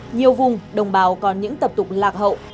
nhiều vùng đồng bào còn những tập tục lạc hậu